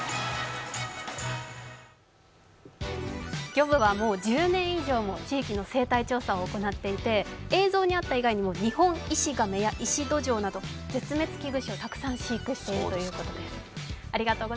魚部はもう１０年以上も地域の生態調査を行っていて、映像にあった以外にもニホンイシガメやイシドジョウなど絶滅危惧種をたくさん飼育しているということです。